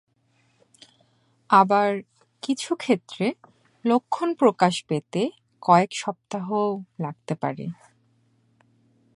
আবার কিছু ক্ষেত্রে লক্ষণ প্রকাশ পেতে কয়েক সপ্তাহও লাগতে পারে।